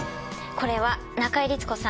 これは中井律子さん